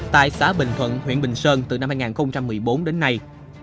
tại xã bình thuận huyện bình sơn từ năm hai nghìn một mươi bốn đến nay